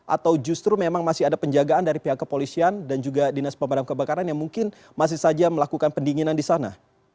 atau justru memang masih ada penjagaan dari pihak kepolisian dan juga dinas pemadam kebakaran yang mungkin masih saja melakukan pendinginan di sana